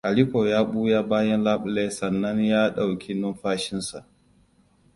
Aliko ya buya bayan labule sannan ya dauke numfashinsa.